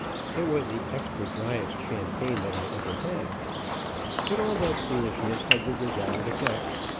It was the extra dryest champagne that I ever had. But all that foolishness had the desired effect.